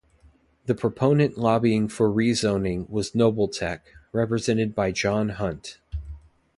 The proponent lobbying for rezoning was Nobletech, represented by John Hunt.